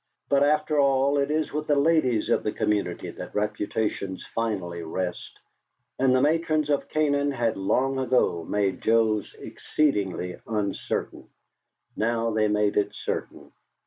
But, after all, it is with the ladies of a community that reputations finally rest, and the matrons of Canaan had long ago made Joe's exceedingly uncertain. Now they made it certain.